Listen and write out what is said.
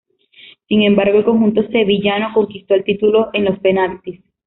Sin embargo, el conjunto sevillano conquistó el título en los penaltis.